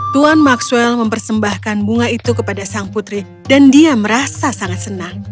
tuan maxwell mempersembahkan bunga itu kepada sang putri dan dia merasa sangat senang